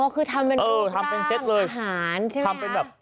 คือทำเป็นเออทำเป็นเซตเลยอาหารใช่ไหมทำเป็นแบบ